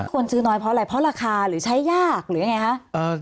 ควรซื้อน้อยเพราะอะไรเพราะราคาหรือใช้ยากหรือยังไงคะ